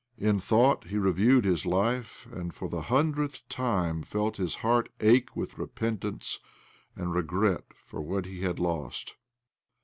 In thought he reviewed his life, and for the hundredth time felt his heart ache with repentance and regret for what he had lost.